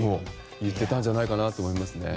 言っていたんじゃないかなと思いますね。